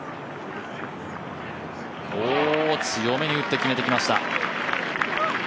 強めに打って決めてきました。